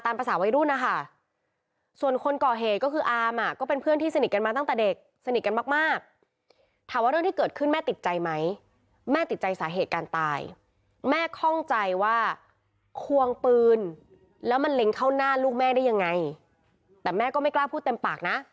ถ้าลงไปนอนกับลูกได้พ่อกับแม่ก็ลงไปแล้วอะค่ะ